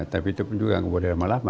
tapi itu pun juga nggak boleh lama lama